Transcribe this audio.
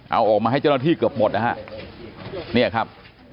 เอาออกมาให้เจ้าหน้าที่เกือบหมดนะฮะเนี่ยครับ